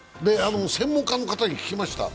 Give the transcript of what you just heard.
専門家の方に聞きました。